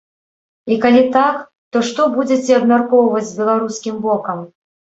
І калі так, то што будзеце абмяркоўваць з беларускім бокам?